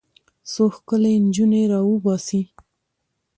څو ښکلې نجونې راوباسي.